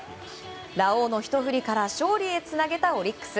ラオウのひと振りから勝利へつなげたオリックス。